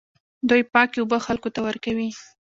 دوی پاکې اوبه خلکو ته ورکوي.